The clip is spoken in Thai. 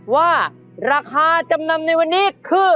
ว่าราคาจำนำในวันนี้คือ